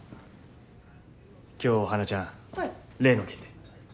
今日は花ちゃん例の件で。